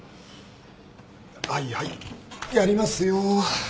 はいはいやりますよ。